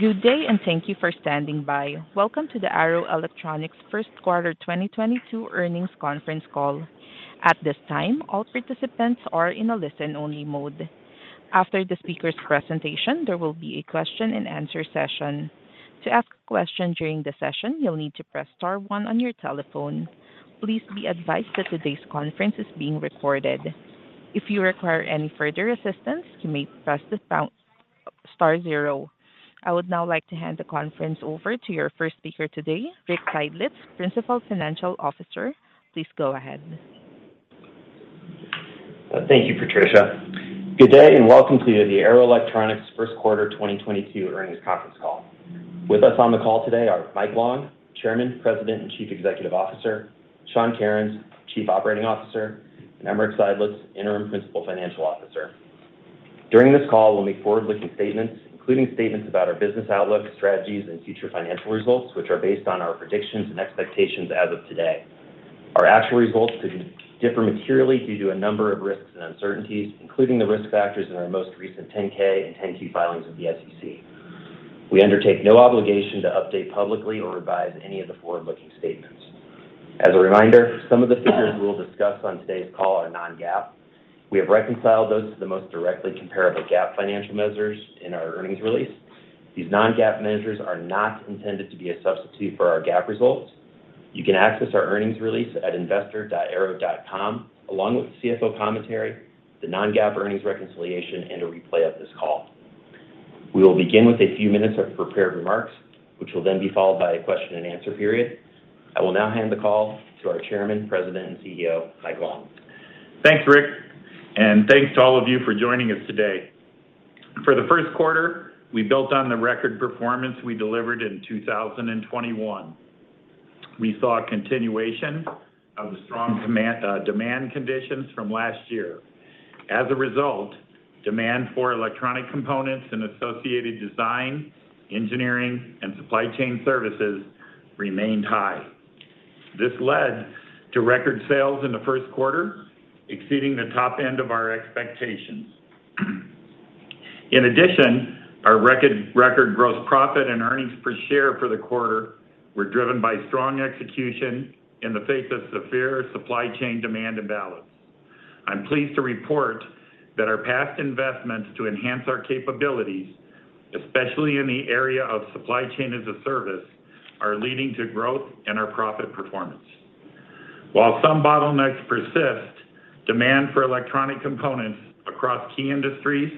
Good day, and thank you for standing by. Welcome to the Arrow Electronics First Quarter 2022 Earnings Conference Call. At this time, all participants are in a listen-only mode. After the speaker's presentation, there will be a question-and-answer session. To ask a question during the session, you'll need to press star one on your telephone. Please be advised that today's conference is being recorded. If you require any further assistance, you may press the pound star zero. I would now like to hand the conference over to your first speaker today, Rick Seidlitz, Principal Financial Officer. Please go ahead. Thank you, Patricia. Good day, and welcome to the Arrow Electronics First Quarter 2022 Earnings Conference Call. With us on the call today are Mike Long, Chairman, President, and Chief Executive Officer, Sean Kerins, Chief Operating Officer, and Rick Seidlitz, Interim Principal Financial Officer. During this call, we'll make forward-looking statements, including statements about our business outlook, strategies, and future financial results, which are based on our predictions and expectations as of today. Our actual results could differ materially due to a number of risks and uncertainties, including the risk factors in our most recent 10-K and 10-Q filings with the SEC. We undertake no obligation to update publicly or revise any of the forward-looking statements. As a reminder, some of the figures we will discuss on today's call are non-GAAP. We have reconciled those to the most directly comparable GAAP financial measures in our earnings release. These non-GAAP measures are not intended to be a substitute for our GAAP results. You can access our earnings release at investor.arrow.com, along with the CFO commentary, the non-GAAP earnings reconciliation, and a replay of this call. We will begin with a few minutes of prepared remarks, which will then be followed by a question-and-answer period. I will now hand the call to our Chairman, President, and CEO, Mike Long. Thanks, Rick, and thanks to all of you for joining us today. For the first quarter, we built on the record performance we delivered in 2021. We saw a continuation of the strong demand conditions from last year. As a result, demand for electronic components and associated design, engineering, and supply chain services remained high. This led to record sales in the first quarter, exceeding the top end of our expectations. In addition, our record gross profit and earnings per share for the quarter were driven by strong execution in the face of severe supply chain demand imbalance. I'm pleased to report that our past investments to enhance our capabilities, especially in the area of supply chain as a service, are leading to growth in our profit performance. While some bottlenecks persist, demand for electronic components across key industries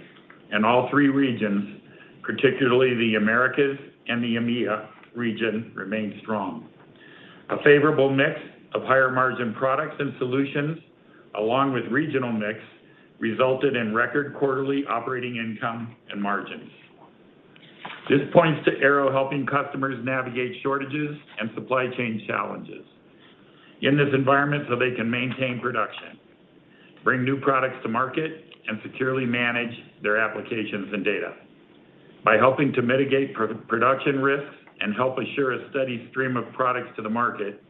and all three regions, particularly the Americas and the EMEA region, remained strong. A favorable mix of higher-margin products and solutions, along with regional mix, resulted in record quarterly operating income and margins. This points to Arrow helping customers navigate shortages and supply chain challenges. In this environment, they can maintain production, bring new products to market, and securely manage their applications and data. By helping to mitigate production risks and help assure a steady stream of products to the market,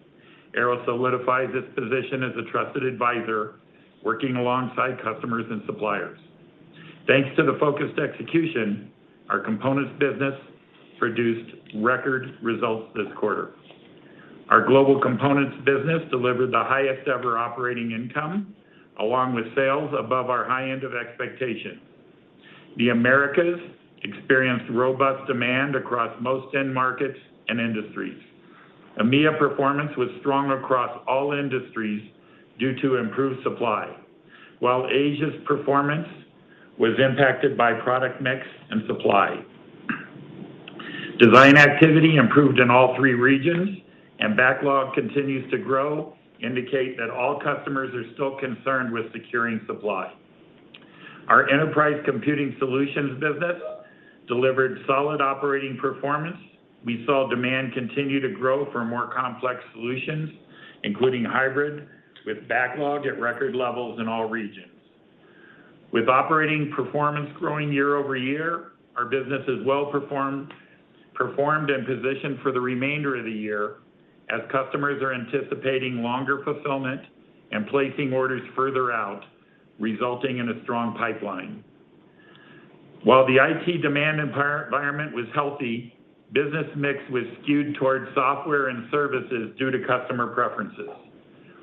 Arrow solidifies its position as a trusted advisor working alongside customers and suppliers. Thanks to the focused execution, our components business produced record results this quarter. Our Global Components business delivered the highest-ever operating income, along with sales above our high end of expectation. The Americas experienced robust demand across most end markets and industries. EMEA performance was strong across all industries due to improved supply, while Asia's performance was impacted by product mix and supply. Design activity improved in all three regions and backlog continues to grow, indicating that all customers are still concerned with securing supply. Our enterprise computing solutions business delivered solid operating performance. We saw demand continue to grow for more complex solutions, including hybrid, with backlog at record levels in all regions. With operating performance growing year-over-year, our business is well-performed and positioned for the remainder of the year as customers are anticipating longer fulfillment and placing orders further out, resulting in a strong pipeline. While the IT demand environment was healthy, business mix was skewed towards software and services due to customer preferences.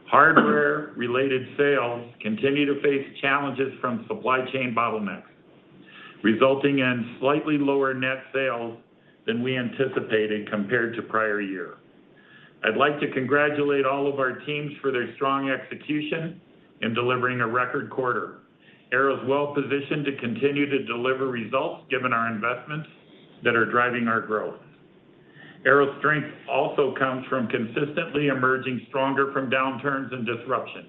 Hardware-related sales continue to face challenges from supply chain bottlenecks, resulting in slightly lower net sales than we anticipated compared to prior year. I'd like to congratulate all of our teams for their strong execution in delivering a record quarter. Arrow's well-positioned to continue to deliver results given our investments that are driving our growth. Arrow's strength also comes from consistently emerging stronger from downturns and disruptions.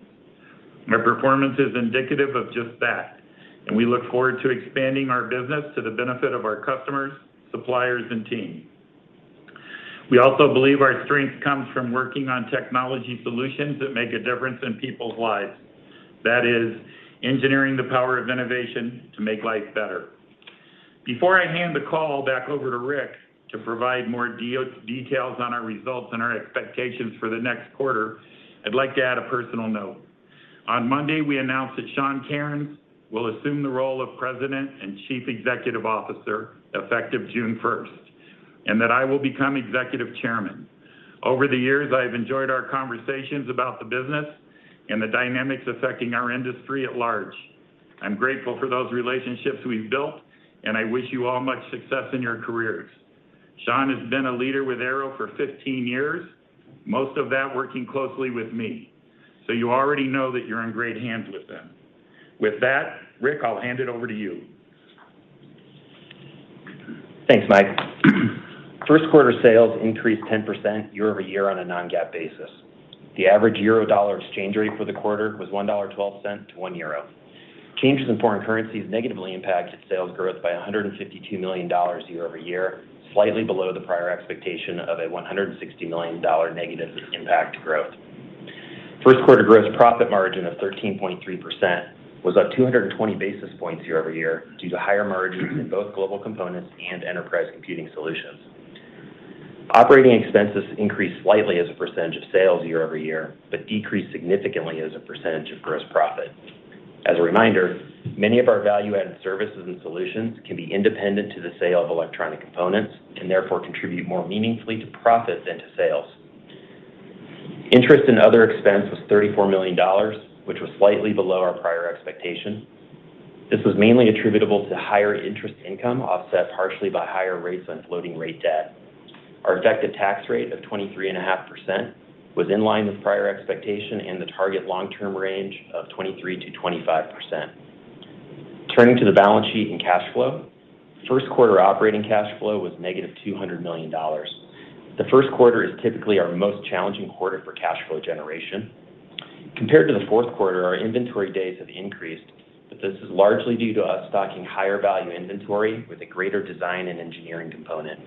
Our performance is indicative of just that, and we look forward to expanding our business to the benefit of our customers, suppliers, and team. We also believe our strength comes from working on technology solutions that make a difference in people's lives. That is engineering the power of innovation to make life better. Before I hand the call back over to Rick to provide more details on our results and our expectations for the next quarter, I'd like to add a personal note. On Monday, we announced that Sean Kerins will assume the role of President and Chief Executive Officer effective June first, and that I will become Executive Chairman. Over the years, I have enjoyed our conversations about the business and the dynamics affecting our industry at large. I'm grateful for those relationships we've built, and I wish you all much success in your careers. Sean has been a leader with Arrow for 15 years, most of that working closely with me, so you already know that you're in great hands with him. With that, Rick, I'll hand it over to you. Thanks, Mike. First quarter sales increased 10% year-over-year on a non-GAAP basis. The average euro dollar exchange rate for the quarter was $1.12 to €1. Changes in foreign currencies negatively impacted sales growth by $152 million year-over-year, slightly below the prior expectation of a $160 million negative impact to growth. First quarter gross profit margin of 13.3% was up 220 basis points year-over-year due to higher margins in both Global Components and enterprise computing solutions. Operating expenses increased slightly as a percentage of sales year-over-year, but decreased significantly as a percentage of gross profit. As a reminder, many of our value-added services and solutions can be independent of the sale of electronic components and therefore contribute more meaningfully to profits than to sales. Interest and other expense was $34 million, which was slightly below our prior expectation. This was mainly attributable to higher interest income offset partially by higher rates on floating rate debt. Our effective tax rate of 23.5% was in line with prior expectation and the target long-term range of 23%-25%. Turning to the balance sheet and cash flow, first quarter operating cash flow was -$200 million. The first quarter is typically our most challenging quarter for cash flow generation. Compared to the fourth quarter, our inventory days have increased, but this is largely due to us stocking higher value inventory with a greater design and engineering component.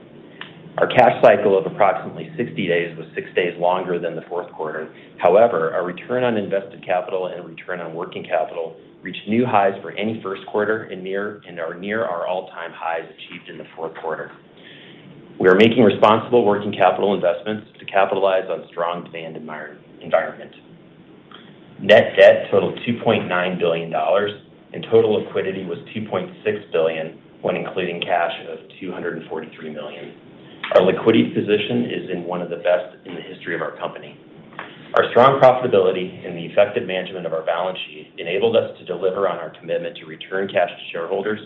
Our cash cycle of approximately 60 days was six days longer than the fourth quarter. However, our return on invested capital and return on working capital reached new highs for any first quarter and are near our all-time highs achieved in the fourth quarter. We are making responsible working capital investments to capitalize on strong demand environment. Net debt totaled $2.9 billion, and total liquidity was $2.6 billion when including cash of $243 million. Our liquidity position is one of the best in the history of our company. Our strong profitability and the effective management of our balance sheet enabled us to deliver on our commitment to return cash to shareholders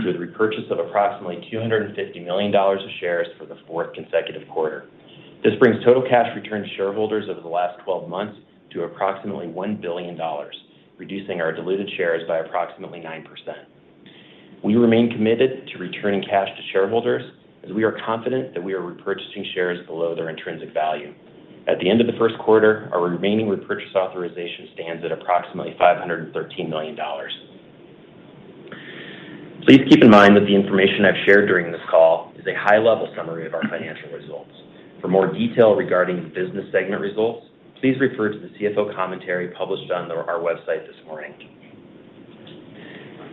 through the repurchase of approximately $250 million of shares for the fourth consecutive quarter. This brings total cash returned to shareholders over the last 12 months to approximately $1 billion, reducing our diluted shares by approximately 9%. We remain committed to returning cash to shareholders as we are confident that we are repurchasing shares below their intrinsic value. At the end of the first quarter, our remaining repurchase authorization stands at approximately $513 million. Please keep in mind that the information I've shared during this call is a high-level summary of our financial results. For more detail regarding business segment results, please refer to the CFO commentary published on our website this morning.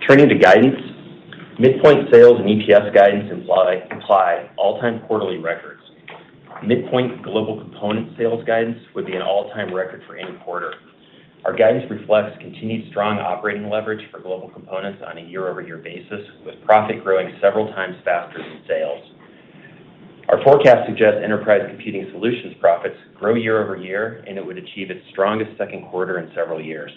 Turning to guidance, midpoint sales and EPS guidance imply all-time quarterly records. Midpoint Global Components sales guidance would be an all-time record for any quarter. Our guidance reflects continued strong operating leverage for Global Components on a year-over-year basis, with profit growing several times faster than sales. Our forecast suggests enterprise computing solutions profits grow year-over-year, and it would achieve its strongest second quarter in several years.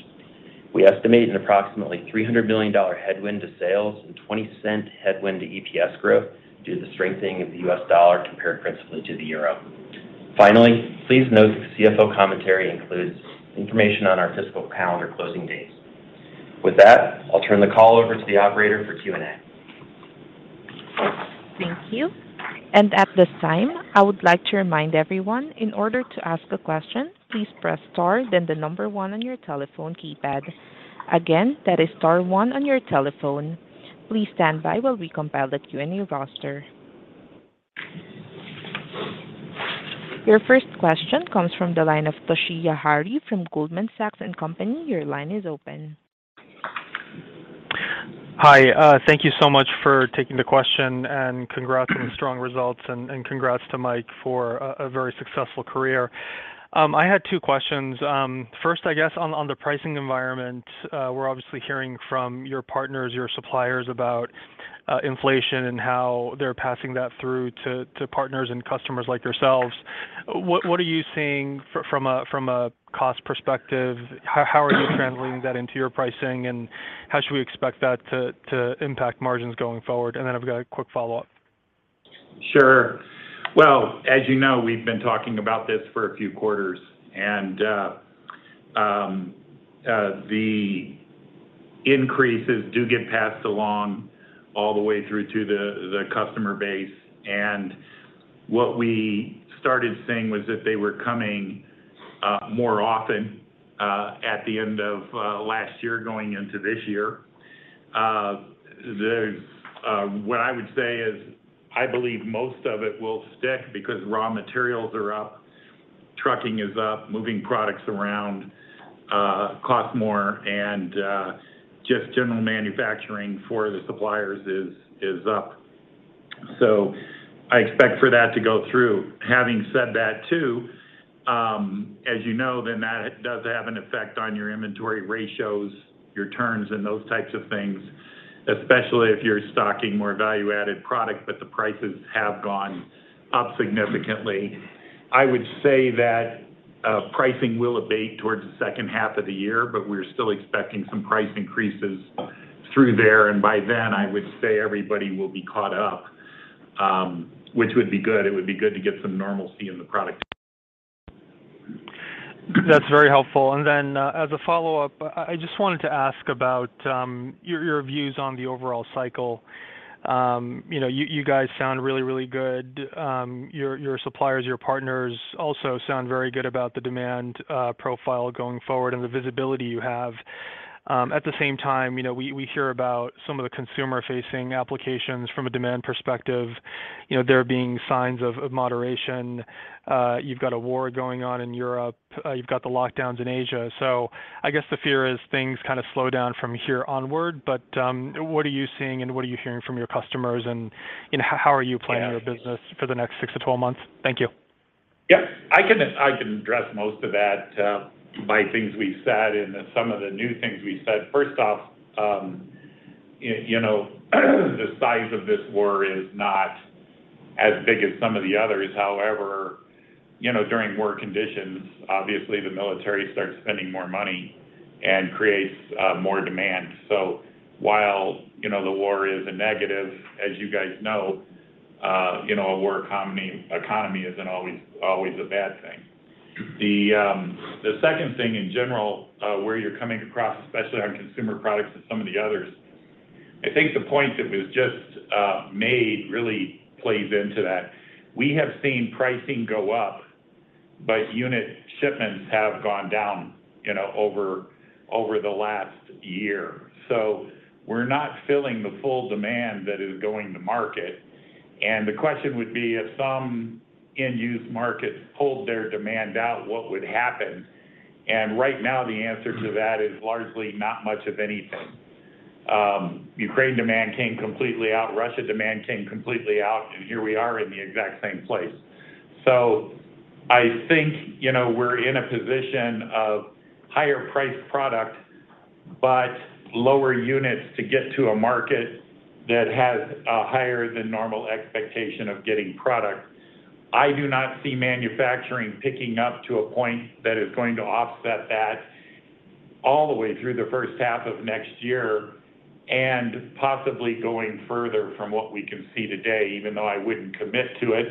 We estimate an approximately $300 million headwind to sales and $0.20 headwind to EPS growth due to the strengthening of the US dollar compared principally to the euro. Finally, please note that the CFO commentary includes information on our fiscal calendar closing days. With that, I'll turn the call over to the operator for Q&A. Thank you. At this time, I would like to remind everyone in order to ask a question, please press star then the number one on your telephone keypad. Again, that is star one on your telephone. Please stand by while we compile the Q&A roster. Your first question comes from the line of Toshiya Hari from Goldman Sachs and Company. Your line is open. Hi, thank you so much for taking the question, and congrats on the strong results and congrats to Mike for a very successful career. I had two questions. First, I guess on the pricing environment, we're obviously hearing from your partners, your suppliers about inflation and how they're passing that through to partners and customers like yourselves. What are you seeing from a cost perspective? How are you translating that into your pricing, and how should we expect that to impact margins going forward? Then I've got a quick follow-up. Sure. Well, as you know, we've been talking about this for a few quarters, and the increases do get passed along all the way through to the customer base. What we started seeing was that they were coming more often at the end of last year going into this year. What I would say is I believe most of it will stick because raw materials are up, trucking is up, moving products around costs more, and just general manufacturing for the suppliers is up. I expect for that to go through. Having said that too, as you know, that does have an effect on your inventory ratios, your turns, and those types of things, especially if you're stocking more value-added product, but the prices have gone up significantly. I would say that, pricing will abate towards the second half of the year, but we're still expecting some price increases through there, and by then I would say everybody will be caught up, which would be good. It would be good to get some normalcy in the product. That's very helpful. Then, as a follow-up, I just wanted to ask about your views on the overall cycle. You know, you guys sound really good. Your suppliers, your partners also sound very good about the demand profile going forward and the visibility you have. At the same time, you know, we hear about some of the consumer-facing applications from a demand perspective, you know, there being signs of moderation. You've got a war going on in Europe. You've got the lockdowns in Asia. I guess the fear is things kind of slow down from here onward. What are you seeing and what are you hearing from your customers and how are you planning your business for the next six to 12 months? Thank you. Yes. I can address most of that by things we've said and some of the new things we've said. First off, you know, the size of this war is not as big as some of the others. However, you know, during war conditions, obviously the military starts spending more money and creates more demand. While, you know, the war is a negative, as you guys know, you know, a war economy isn't always a bad thing. The second thing in general, where you're coming across, especially on consumer products and some of the others, I think the point that was just made really plays into that. We have seen pricing go up, but unit shipments have gone down, you know, over the last year. We're not filling the full demand that is going to market, and the question would be if some end-use markets pulled their demand out, what would happen? Right now the answer to that is largely not much of anything. Ukraine demand came completely out, Russia demand came completely out, and here we are in the exact same place. I think, you know, we're in a position of higher priced product but lower units to get to a market that has a higher than normal expectation of getting product. I do not see manufacturing picking up to a point that is going to offset that all the way through the first half of next year and possibly going further from what we can see today, even though I wouldn't commit to it.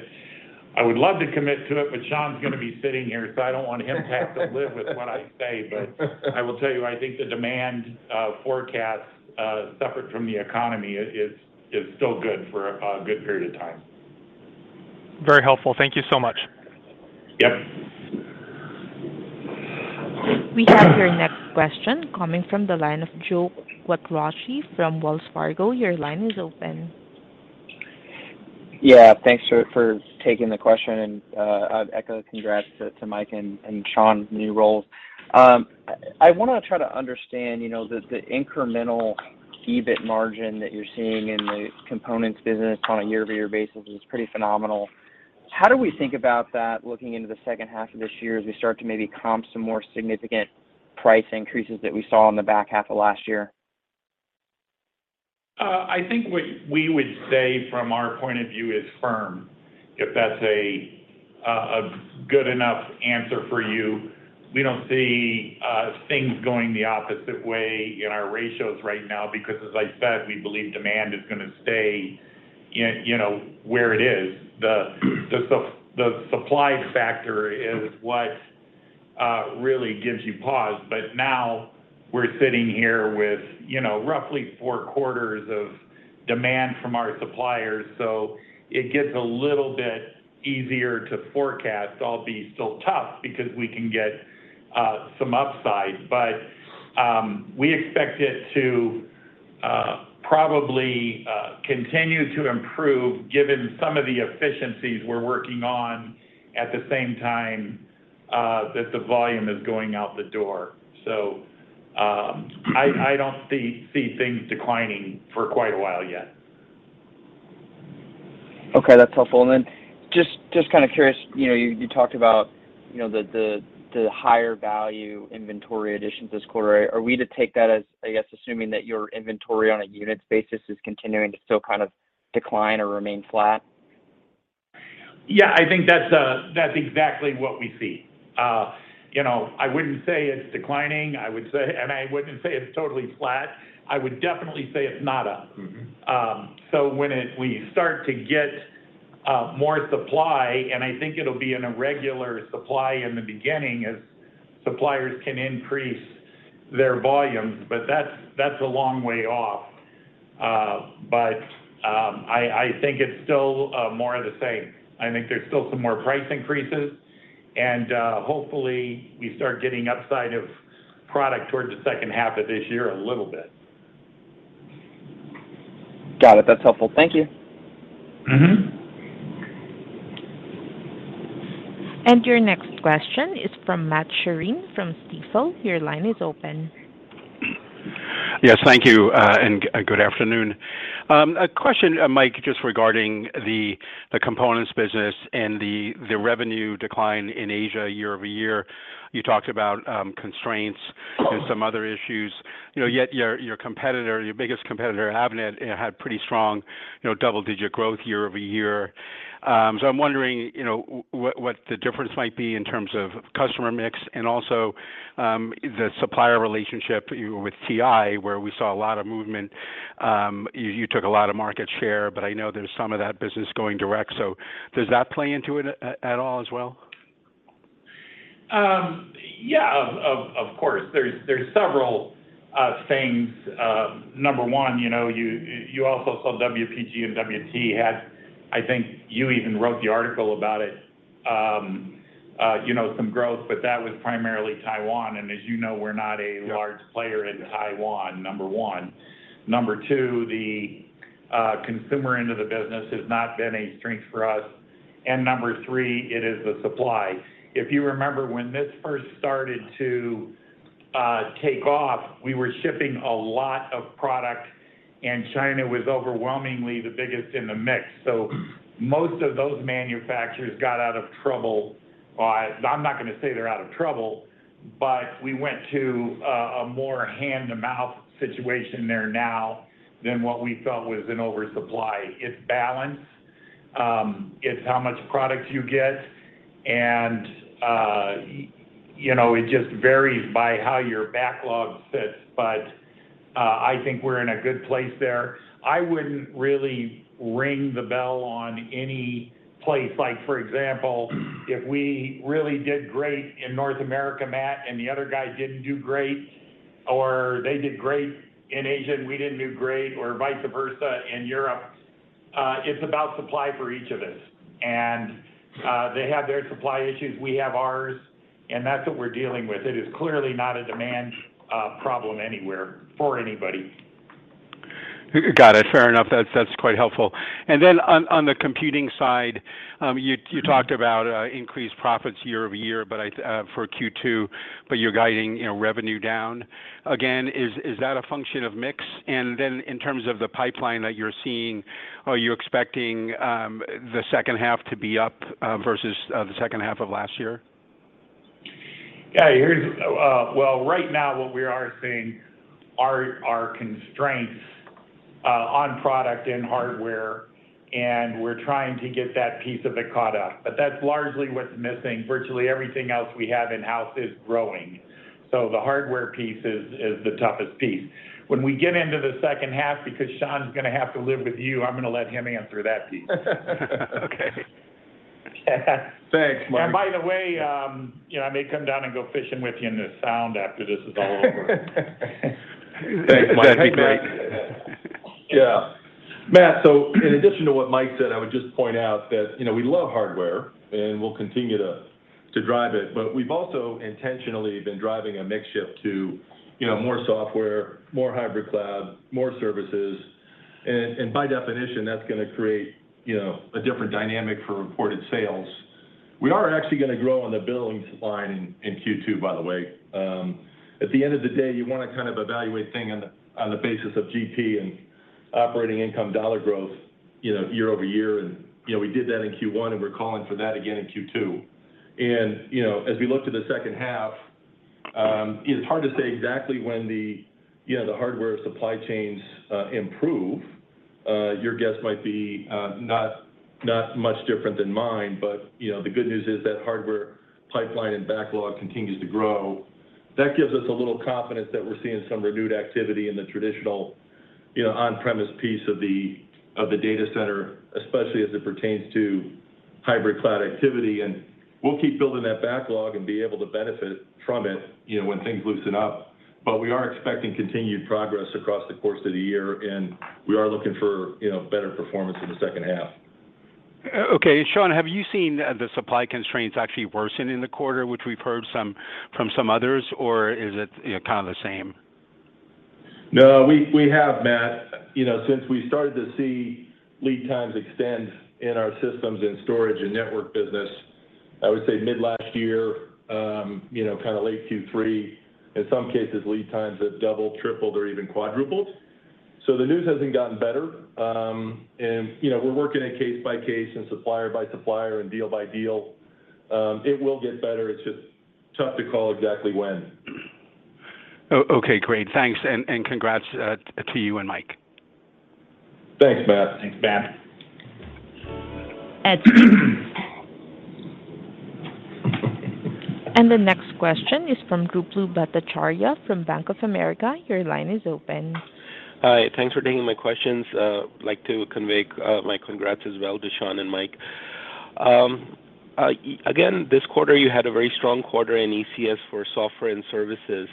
I would love to commit to it, but Sean's gonna be sitting here, so I don't want him to have to live with what I say. I will tell you, I think the demand, forecast, separate from the economy is still good for a good period of time. Very helpful. Thank you so much. Yep. We have your next question coming from the line of Joe Quatrochi from Wells Fargo. Your line is open. Yeah. Thanks for taking the question, and I'd echo congrats to Mike and Sean's new roles. I want to try to understand, you know, the incremental EBIT margin that you're seeing in the components business on a year-over-year basis is pretty phenomenal. How do we think about that looking into the second half of this year as we start to maybe comp some more significant price increases that we saw in the back half of last year? I think what we would say from our point of view is firm, if that's a good enough answer for you. We don't see things going the opposite way in our ratios right now because as I said, we believe demand is gonna stay in, you know, where it is. The supply factor is what really gives you pause. But now we're sitting here with, you know, roughly four quarters of demand from our suppliers, so it gets a little bit easier to forecast, albeit still tough because we can get some upside. But we expect it to probably continue to improve given some of the efficiencies we're working on at the same time that the volume is going out the door. I don't see things declining for quite a while yet. Okay. That's helpful. Just kind of curious, you know, you talked about, you know, the higher value inventory additions this quarter. Are we to take that as, I guess, assuming that your inventory on a units basis is continuing to still kind of decline or remain flat? Yeah. I think that's exactly what we see. You know, I wouldn't say it's declining. I wouldn't say it's totally flat. I would definitely say it's not up. Mm-hmm. When we start to get more supply, and I think it'll be an irregular supply in the beginning as suppliers can increase their volumes, but that's a long way off. I think it's still more of the same. I think there's still some more price increases and hopefully we start getting upside of product towards the second half of this year a little bit. Got it. That's helpful. Thank you. Mm-hmm. Your next question is from Matt Sheerin from Stifel. Your line is open. Yes. Thank you, and good afternoon. A question, Mike, just regarding the components business and the revenue decline in Asia year-over-year. You talked about constraints and some other issues, you know, yet your competitor, your biggest competitor, Avnet, had pretty strong, you know, double-digit growth year-over-year. So I'm wondering, you know, what the difference might be in terms of customer mix and also the supplier relationship with TI, where we saw a lot of movement. You took a lot of market share, but I know there's some of that business going direct. So does that play into it at all as well? Yeah, of course. There's several things. Number one, you know, you also saw WPG and WT had, I think you even wrote the article about it, you know, some growth, but that was primarily Taiwan. As you know, we're not a large- Yeah Top player in Taiwan, number one. Number two, the consumer end of the business has not been a strength for us. Number three, it is the supply. If you remember when this first started to take off, we were shipping a lot of product, and China was overwhelmingly the biggest in the mix. Most of those manufacturers got out of trouble. I'm not gonna say they're out of trouble, but we went to a more hand-to-mouth situation there now than what we felt was an oversupply. It's balance. It's how much product you get. You know, it just varies by how your backlog sits. I think we're in a good place there. I wouldn't really ring the bell on any place. Like, for example, if we really did great in North America, Matt, and the other guys didn't do great, or they did great in Asia, and we didn't do great, or vice versa in Europe, it's about supply for each of us. They have their supply issues, we have ours, and that's what we're dealing with. It is clearly not a demand problem anywhere for anybody. Got it. Fair enough. That's quite helpful. On the computing side, you talked about increased profits year-over-year, but for Q2, you're guiding, you know, revenue down. Again, is that a function of mix? In terms of the pipeline that you're seeing, are you expecting the second half to be up versus the second half of last year? Yeah. Well, right now what we are seeing are constraints on product and hardware, and we're trying to get that piece of it caught up. That's largely what's missing. Virtually everything else we have in-house is growing. The hardware piece is the toughest piece. When we get into the second half, because Sean's gonna have to live with you, I'm gonna let him answer that piece. Okay. Thanks, Mike. By the way, you know, I may come down and go fishing with you in the sound after this is all over. Thanks, Mike. That'd be great. Yeah. Yeah. Matt, in addition to what Mike said, I would just point out that, you know, we love hardware, and we'll continue to drive it. We've also intentionally been driving a mix shift to, you know, more software, more hybrid cloud, more services. By definition, that's gonna create, you know, a different dynamic for reported sales. We are actually gonna grow on the billings line in Q2, by the way. At the end of the day, you wanna kind of evaluate things on the basis of GP and operating income dollar growth, you know, year-over-year. We did that in Q1, and we're calling for that again in Q2. As we look to the second half, it's hard to say exactly when the, you know, the hardware supply chains improve. Your guess might be not much different than mine. You know, the good news is that hardware pipeline and backlog continues to grow. That gives us a little confidence that we're seeing some renewed activity in the traditional, you know, on-premise piece of the data center, especially as it pertains to hybrid cloud activity. We'll keep building that backlog and be able to benefit from it, you know, when things loosen up. We are expecting continued progress across the course of the year, and we are looking for, you know, better performance in the second half. Okay. Sean, have you seen the supply constraints actually worsen in the quarter, which we've heard from some others, or is it, you know, kind of the same? No, we have, Matt. You know, since we started to see lead times extend in our systems and storage and network business, I would say mid last year, you know, kind of late Q3, in some cases, lead times have doubled, tripled, or even quadrupled. The news hasn't gotten better. And, you know, we're working it case by case and supplier by supplier and deal by deal. It will get better. It's just tough to call exactly when. Okay. Great. Thanks, and congrats to you and Mike. Thanks, Matt. Thanks, Matt. The next question is from Ruplu Bhattacharya from Bank of America. Your line is open. Hi. Thanks for taking my questions. I'd like to convey my congrats as well to Sean and Mike. Again, this quarter, you had a very strong quarter in ECS for software and services.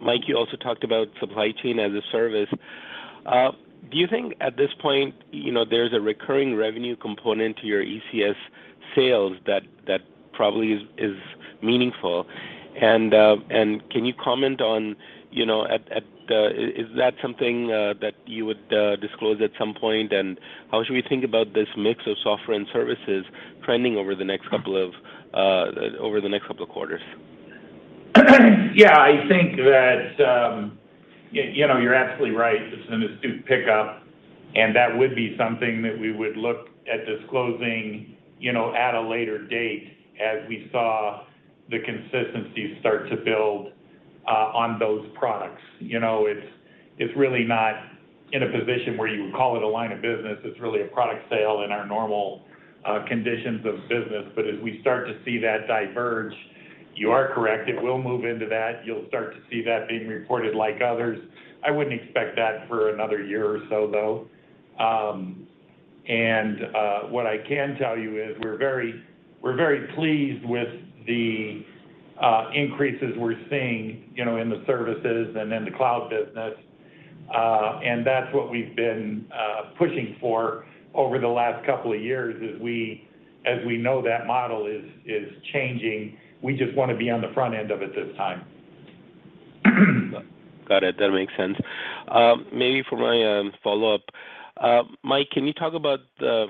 Mike, you also talked about supply chain as a service. Do you think at this point, you know, there's a recurring revenue component to your ECS sales that probably is meaningful? Can you comment on, you know, is that something that you would disclose at some point? How should we think about this mix of software and services trending over the next couple of quarters? Yeah, I think that you know, you're absolutely right. It's an astute pickup, and that would be something that we would look at disclosing, you know, at a later date as we saw the consistency start to build on those products. You know, it's really not in a position where you would call it a line of business. It's really a product sale in our normal conditions of business. But as we start to see that diverge, you are correct, it will move into that. You'll start to see that being reported like others. I wouldn't expect that for another year or so, though. What I can tell you is we're very pleased with the increases we're seeing, you know, in the services and in the cloud business. That's what we've been pushing for over the last couple of years as we know that model is changing. We just wanna be on the front end of it this time. Got it. That makes sense. Maybe for my follow-up. Mike, can you talk about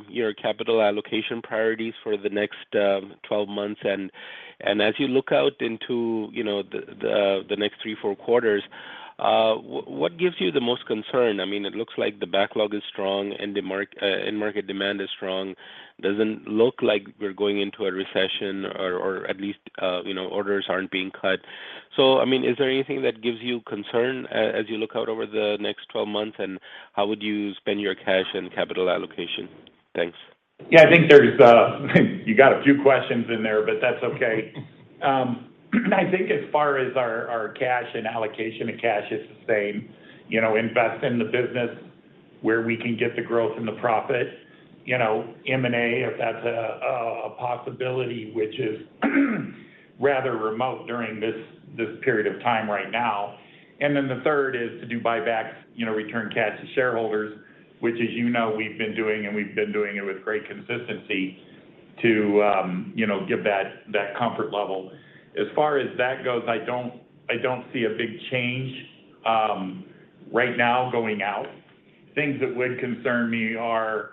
your capital allocation priorities for the next 12 months? As you look out into, you know, the next three to four quarters, what gives you the most concern? I mean, it looks like the backlog is strong and market demand is strong. Doesn't look like we're going into a recession or at least, you know, orders aren't being cut. I mean, is there anything that gives you concern as you look out over the next 12 months, and how would you spend your cash and capital allocation? Thanks. Yeah, I think there's you got a few questions in there, but that's okay. I think as far as our cash and allocation of cash, it's the same. You know, invest in the business where we can get the growth and the profit. You know, M&A, if that's a possibility, which is rather remote during this period of time right now. Then the third is to do buybacks, you know, return cash to shareholders, which as you know, we've been doing, and we've been doing it with great consistency to, you know, give that comfort level. As far as that goes, I don't see a big change right now going out. Things that would concern me are,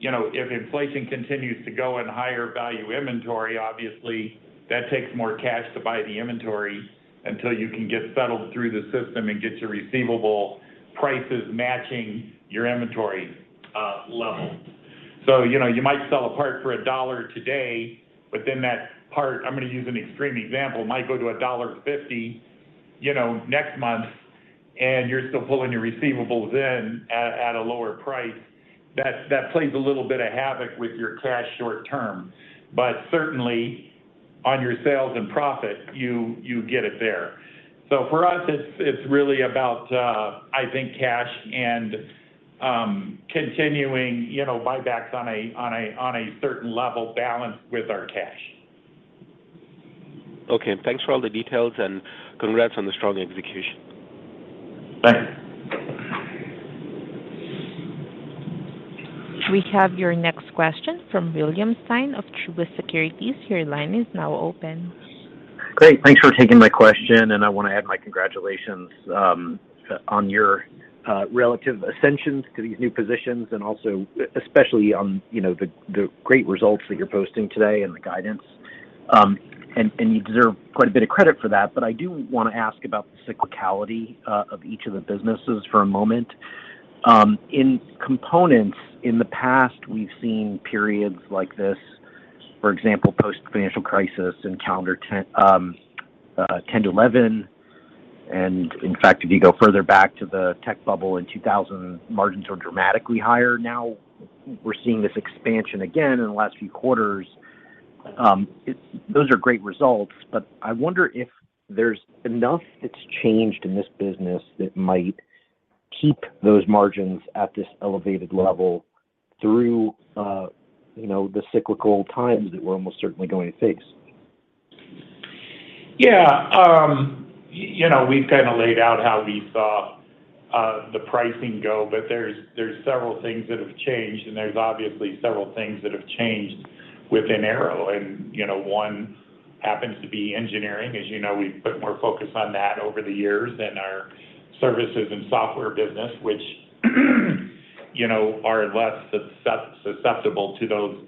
you know, if inflation continues to go in higher value inventory, obviously that takes more cash to buy the inventory until you can get settled through the system and get your receivable prices matching your inventory level. So, you know, you might sell a part for $1 today, but then that part, I'm gonna use an extreme example, might go to $1.50, you know, next month, and you're still pulling your receivables in at a lower price. That's, that plays a little bit of havoc with your cash short term. But certainly on your sales and profit, you get it there. So for us, it's really about, I think cash and continuing, you know, buybacks on a certain level balanced with our cash. Okay. Thanks for all the details, and congrats on the strong execution. Thanks. We have your next question from William Stein of Truist Securities. Your line is now open. Great. Thanks for taking my question, and I wanna add my congratulations on your relative ascensions to these new positions and also especially on, you know, the great results that you're posting today and the guidance. And you deserve quite a bit of credit for that. I do wanna ask about the cyclicality of each of the businesses for a moment. In components, in the past we've seen periods like this, for example, post-financial crisis in calendar 2010 to 2011. In fact, if you go further back to the tech bubble in 2000, margins were dramatically higher. Now we're seeing this expansion again in the last few quarters. Those are great results, but I wonder if there's enough that's changed in this business that might keep those margins at this elevated level through, you know, the cyclical times that we're almost certainly going to face. Yeah. You know, we've kinda laid out how we saw the pricing go, but there's several things that have changed, and there's obviously several things that have changed within Arrow. You know, one happens to be engineering. As you know, we've put more focus on that over the years than our services and software business, which, you know, are less susceptible to those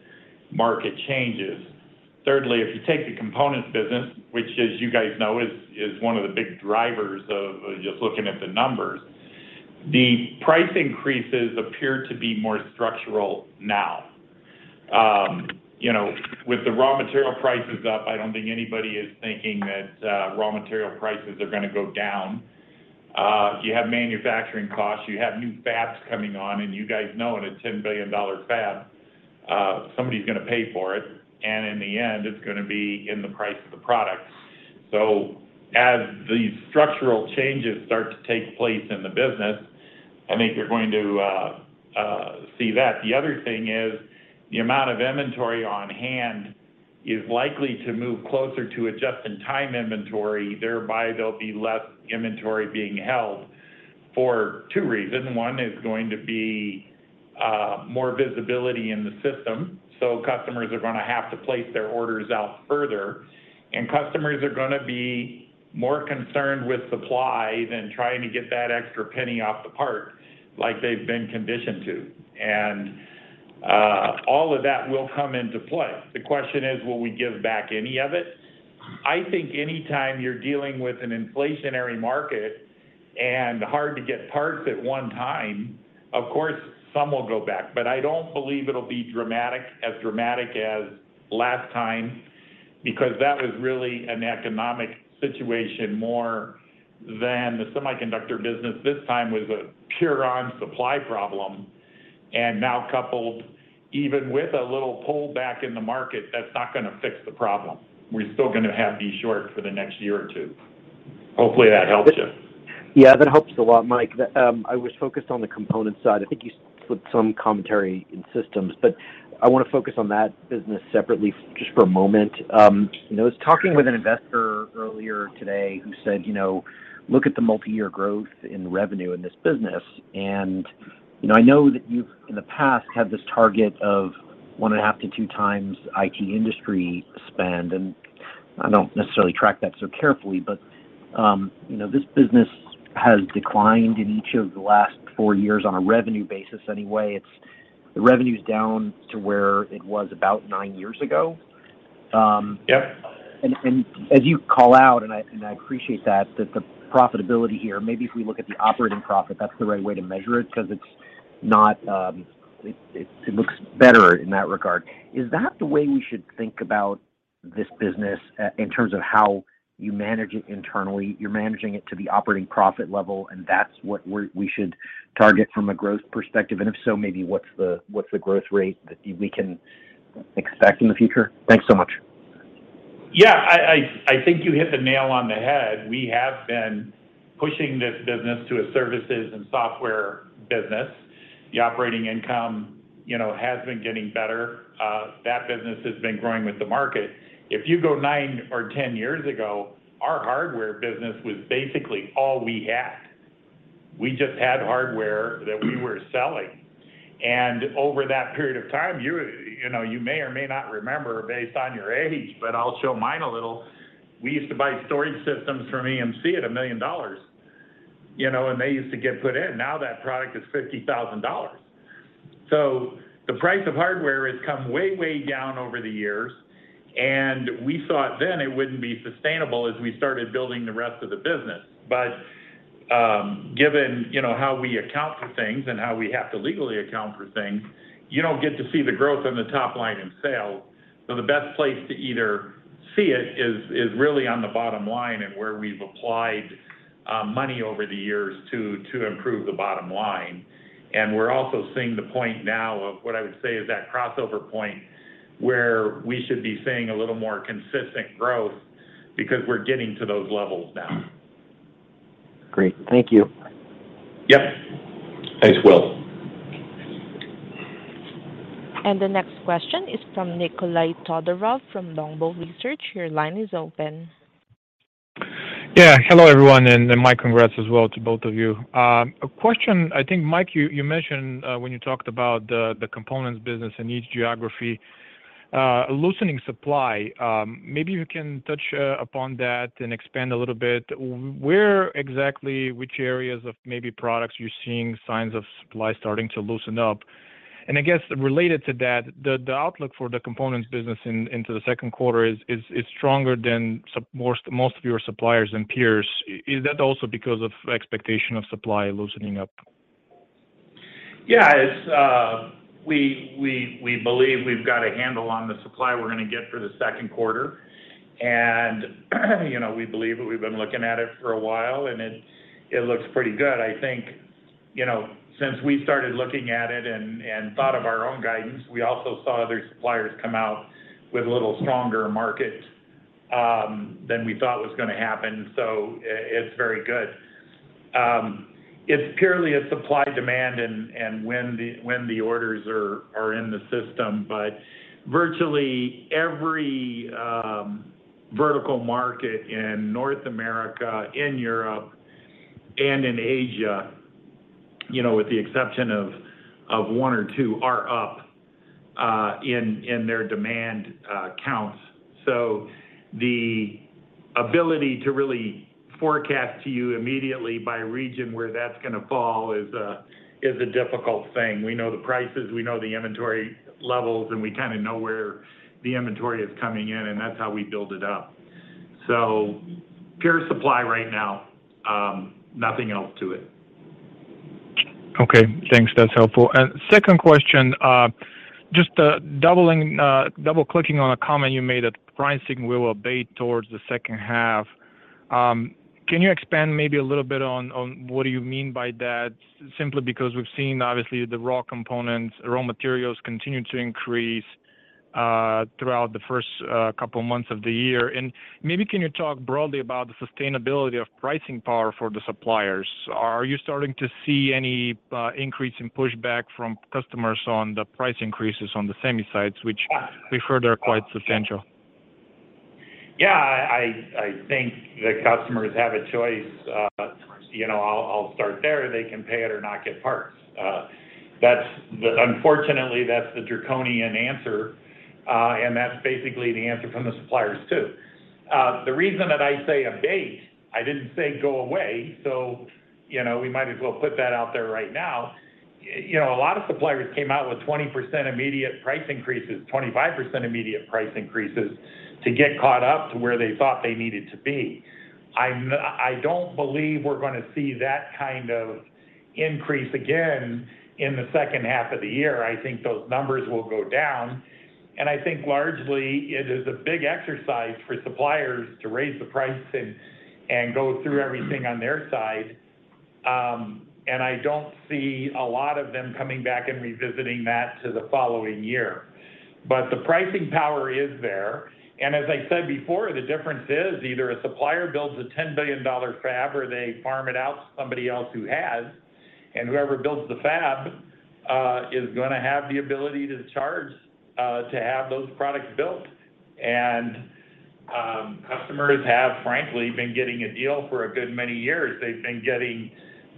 market changes. Thirdly, if you take the components business, which as you guys know is one of the big drivers of just looking at the numbers, the price increases appear to be more structural now. You know, with the raw material prices up, I don't think anybody is thinking that raw material prices are gonna go down. You have manufacturing costs, you have new fabs coming on, and you guys know in a $10 billion fab, somebody's gonna pay for it, and in the end, it's gonna be in the price of the product. As these structural changes start to take place in the business, I think you're going to see that. The other thing is the amount of inventory on hand is likely to move closer to a just-in-time inventory, thereby there'll be less inventory being held for two reasons. One is going to be more visibility in the system, so customers are gonna have to place their orders out further, and customers are gonna be more concerned with supply than trying to get that extra penny off the part like they've been conditioned to. All of that will come into play. The question is, will we give back any of it? I think any time you're dealing with an inflationary market and hard to get parts at one time, of course, some will go back. I don't believe it'll be dramatic, as dramatic as last time, because that was really an economic situation more than the semiconductor business this time with a pure supply problem. Now coupled even with a little pullback in the market, that's not gonna fix the problem. We're still gonna have these shortages for the next year or two. Hopefully, that helps you. Yeah, that helps a lot, Mike. I was focused on the component side. I think you slipped some commentary in systems, but I wanna focus on that business separately just for a moment. You know, I was talking with an investor earlier today who said, you know, "Look at the multi-year growth in revenue in this business." You know, I know that you've in the past had this target of one and half to two times IT industry spend, and I don't necessarily track that so carefully. You know, this business has declined in each of the last four years on a revenue basis anyway. It's the revenue's down to where it was about nine years ago. Yep As you call out, I appreciate that the profitability here. Maybe if we look at the operating profit, that's the right way to measure it 'cause it's not, it looks better in that regard. Is that the way we should think about this business in terms of how you manage it internally? You're managing it to the operating profit level, and that's what we should target from a growth perspective. If so, maybe what's the growth rate that we can expect in the future? Thanks so much. Yeah. I think you hit the nail on the head. We have been pushing this business to a services and software business. The operating income, you know, has been getting better. That business has been growing with the market. If you go nine or ten years ago, our hardware business was basically all we had. We just had hardware that we were selling. Over that period of time, you know, you may or may not remember based on your age, but I'll show mine a little. We used to buy storage systems from EMC at $1 million, you know, and they used to get put in. Now that product is $50,000. The price of hardware has come way down over the years, and we thought then it wouldn't be sustainable as we started building the rest of the business. Given, you know, how we account for things and how we have to legally account for things, you don't get to see the growth on the top line in sales. The best place to either see it is really on the bottom line and where we've applied money over the years to improve the bottom line. We're also seeing the point now of what I would say is that crossover point where we should be seeing a little more consistent growth because we're getting to those levels now. Great. Thank you. Yep. Thanks, Will. The next question is from Nikolay Todorov from Longbow Research. Your line is open. Yeah. Hello, everyone, and my congrats as well to both of you. A question, I think, Mike, you mentioned when you talked about the components business in each geography, loosening supply. Maybe you can touch upon that and expand a little bit. Where exactly which areas of maybe products you're seeing signs of supply starting to loosen up? I guess related to that, the outlook for the components business into the second quarter is stronger than most of your suppliers and peers. Is that also because of expectation of supply loosening up? Yeah. We believe we've got a handle on the supply we're gonna get for the second quarter. You know, we believe that we've been looking at it for a while, and it looks pretty good. I think, you know, since we started looking at it and thought of our own guidance, we also saw other suppliers come out with a little stronger market than we thought was gonna happen. It's very good. It's purely a supply-demand and when the orders are in the system. Virtually every vertical market in North America, in Europe, and in Asia, you know, with the exception of one or two, are up in their demand count. The ability to really forecast to you immediately by region where that's gonna fall is a difficult thing. We know the prices, we know the inventory levels, and we kinda know where the inventory is coming in, and that's how we build it up. Pure supply right now, nothing else to it. Okay. Thanks. That's helpful. Second question, just double-clicking on a comment you made that pricing will abate towards the second half. Can you expand maybe a little bit on what do you mean by that? Simply because we've seen obviously the raw components, raw materials continue to increase throughout the first couple of months of the year. Maybe can you talk broadly about the sustainability of pricing power for the suppliers? Are you starting to see any increase in pushback from customers on the price increases on the semis side, which we've heard are quite substantial? Yeah, I think the customers have a choice. You know, I'll start there. They can pay it or not get parts. That's the draconian answer, and that's basically the answer from the suppliers too. The reason that I say abate, I didn't say go away, so you know, we might as well put that out there right now. You know, a lot of suppliers came out with 20% immediate price increases, 25% immediate price increases to get caught up to where they thought they needed to be. I don't believe we're gonna see that kind of increase again in the second half of the year. I think those numbers will go down, and I think largely it is a big exercise for suppliers to raise the price and go through everything on their side. I don't see a lot of them coming back and revisiting that to the following year. The pricing power is there. As I said before, the difference is either a supplier builds a $10 billion fab or they farm it out to somebody else who has, and whoever builds the fab is gonna have the ability to charge to have those products built. Customers have frankly been getting a deal for a good many years. They've been getting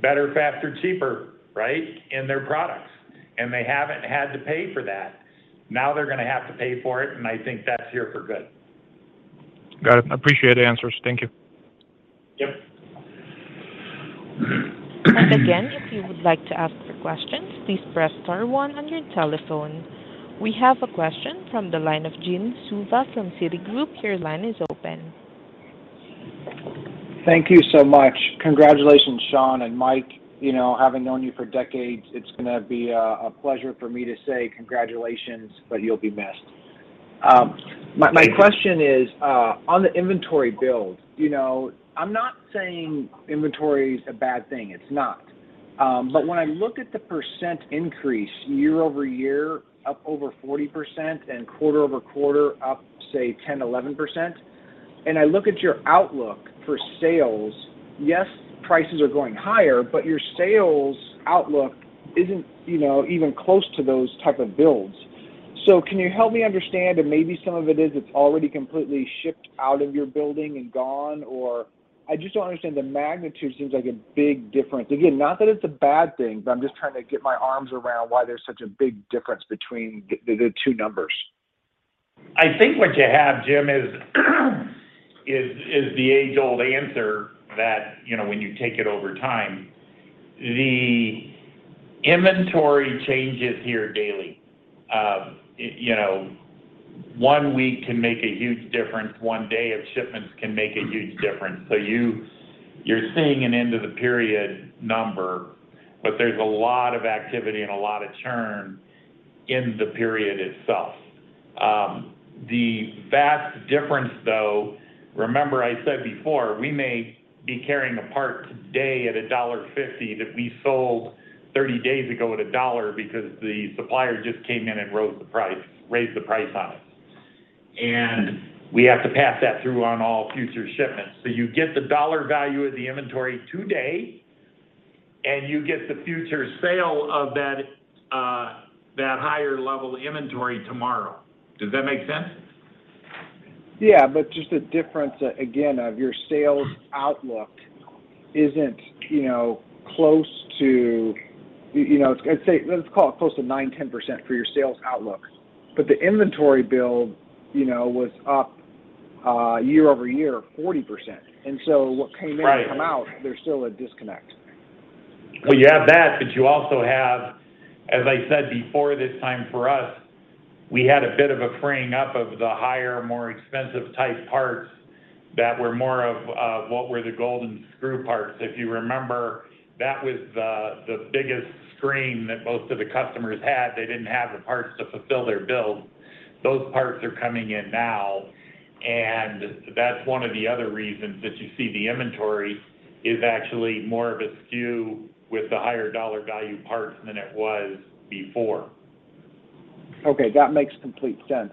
better, faster, cheaper, right? In their products, and they haven't had to pay for that. Now they're gonna have to pay for it, and I think that's here for good. Got it. Appreciate the answers. Thank you. Yep. Again, if you would like to ask a question, please press star one on your telephone. We have a question from the line of Jim Suva from Citigroup. Your line is open. Thank you so much. Congratulations, Sean and Mike. You know, having known you for decades, it's gonna be a pleasure for me to say congratulations, but you'll be missed. Thank you. My question is on the inventory build. You know, I'm not saying inventory is a bad thing. It's not. When I look at the percent increase year-over-year, up over 40% and quarter-over-quarter up, say 10, 11%, and I look at your outlook for sales. Yes, prices are going higher, but your sales outlook isn't, you know, even close to those type of builds. Can you help me understand, and maybe some of it is it's already completely shipped out of your building and gone, or I just don't understand the magnitude. It seems like a big difference. Again, not that it's a bad thing, but I'm just trying to get my arms around why there's such a big difference between the two numbers. I think what you have, Jim, is the age-old answer that, you know, when you take it over time, the inventory changes here daily. It, you know, one week can make a huge difference. One day of shipments can make a huge difference. You are seeing an end of the period number, but there is a lot of activity and a lot of churn in the period itself. The vast difference, though, remember I said before, we may be carrying a part today at $1.50 that we sold 30 days ago at $1 because the supplier just came in and rose the price, raised the price on it. We have to pass that through on all future shipments. You get the dollar value of the inventory today, and you get the future sale of that higher level inventory tomorrow. Does that make sense? Just the difference, again, of your sales outlook isn't, you know, close to, you know, let's say. Let's call it close to 9%-10% for your sales outlook. The inventory build, you know, was up year-over-year 40%. What came in. Right. come out, there's still a disconnect. Well, you have that, but you also have, as I said before this time for us, we had a bit of a fraying up of the higher, more expensive type parts that were more of what were the golden screw parts. If you remember, that was the biggest scream that most of the customers had. They didn't have the parts to fulfill their build. Those parts are coming in now, and that's one of the other reasons that you see the inventory is actually more askew with the higher dollar value parts than it was before. Okay, that makes complete sense.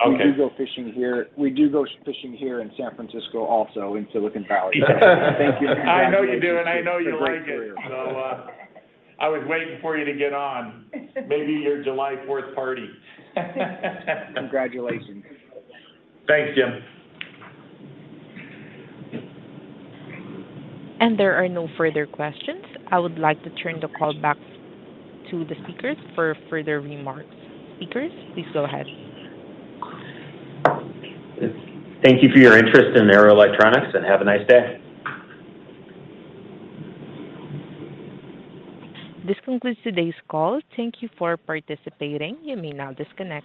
Okay. We do go fishing here. We do go fishing here in San Francisco, also in Silicon Valley. Thank you. I know you do, and I know you like it. It's a great career. I was waiting for you to get on. Maybe your July Fourth party. Congratulations. Thanks, Jim. There are no further questions. I would like to turn the call back to the speakers for further remarks. Speakers, please go ahead. Thank you for your interest in Arrow Electronics, and have a nice day. This concludes today's call. Thank you for participating. You may now disconnect.